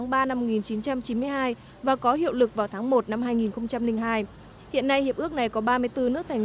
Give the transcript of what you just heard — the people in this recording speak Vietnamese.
tháng ba năm một nghìn chín trăm chín mươi hai và có hiệu lực vào tháng một năm hai nghìn hai hiện nay hiệp ước này có ba mươi bốn nước thành